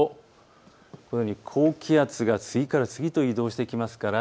高気圧が次から次へと移動してきますから